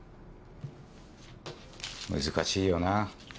難しいよな。